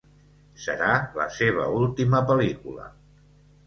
Serà la seva última pel·lícula.